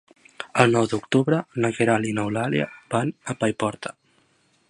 El nou d'octubre na Queralt i n'Eulàlia van a Paiporta.